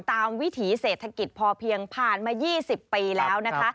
วิถีเศรษฐกิจพอเพียงผ่านมา๒๐ปีแล้วนะคะ